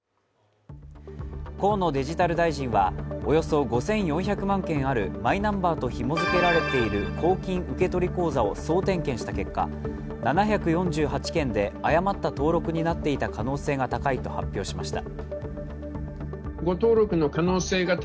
河野デジタル大臣はおよそ５４００万件あるマイナンバーとひも付けられている公金受取口座を総点検した結果７４８件で誤った登録になっていた可能性が高いと発表しました。